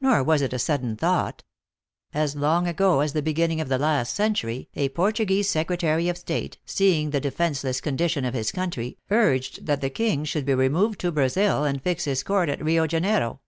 Nor was it a sudden thought. As long ago as the beginning of the last century, a Por tuguese Secretary of State, seeing the defenceless con dition of his country, urged that the King should re move to Brazil, and fix his court at Rio Janeiro.